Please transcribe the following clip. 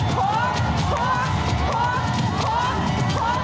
เจฟเจฟ